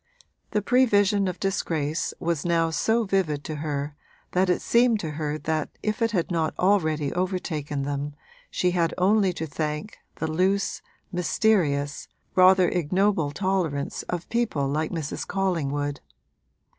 The prevision of disgrace was now so vivid to her that it seemed to her that if it had not already overtaken them she had only to thank the loose, mysterious, rather ignoble tolerance of people like Mrs. Collingwood.